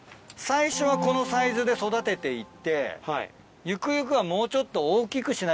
最初はこのサイズで育てて行ってゆくゆくはもうちょっと大きくしなきゃいけない。